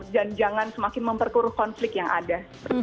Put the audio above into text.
dan jangan semakin memperkuruh konflik yang ada